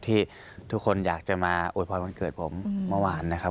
ที่ทุกคนอยากจะมาอวยพรวันเกิดผมเมื่อวานนะครับ